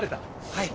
はい。